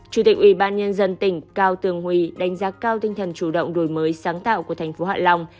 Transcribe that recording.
chủ tịch ubnd tỉnh cao tường huy đánh giá cao tinh thần chủ động đổi mới sáng tạo của thành phố hạ long